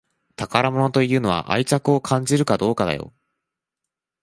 宝物というのは愛着を感じるかどうかだよ